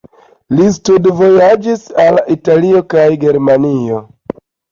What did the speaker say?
Li studvojaĝis al Italio kaj Germanio.